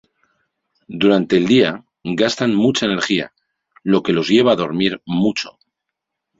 Durante el día gastan mucha energía, lo que los lleva a dormir mucho.